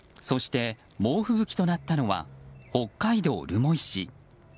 そして、猛吹雪となったのは北海道留萌市。